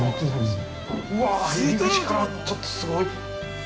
◆うわ、入り口からちょっとすごい。